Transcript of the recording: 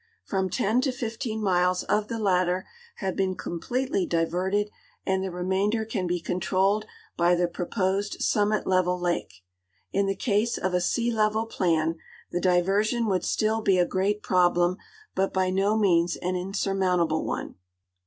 From 10 to 15 miles of the latter have been coni l)letely diverted and the remainder can be controlled by the i)ro l)Oscd summit level lake. In the case of a sea level plan the di version would still be a great problem, but by no means an insur mountable one.